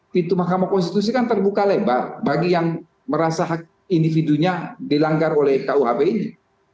pintu mahkamah konstitusi kan terbuka lebar bagi yang merasa hak individunya dilanggar oleh kuhp ini